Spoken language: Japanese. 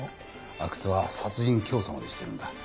阿久津は殺人教唆までしてるんだ。